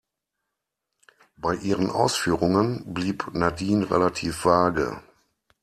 Bei ihren Ausführungen blieb Nadine relativ vage.